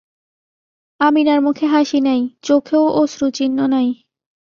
আমিনার মুখে হাসি নাই, চোখেও অশ্রুচিহ্ন নাই।